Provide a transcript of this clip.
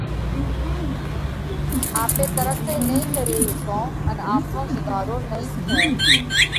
آپي ترقئِي نئين ڪري هيڪون ان آپڻو سُڌارو نئين ٿئہ۔